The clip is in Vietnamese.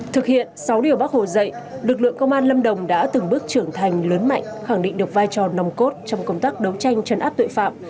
thực hiện sáu đường bóc hồ dậy lực lượng công an lâm đồng đã từng bước trưởng thành lớn mạnh khẳng định được vai trò nồng cốt trong công tác đấu tranh trấn áp tội phạm